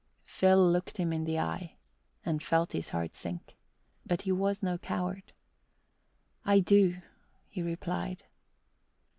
Phil looked him in the eye and felt his heart sink, but he was no coward. "I do," he replied.